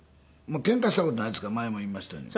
ケンカした事ないですから前も言いましたように。